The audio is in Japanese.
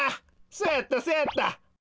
そうやったそうやった。